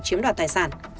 chiếm đoạt tài sản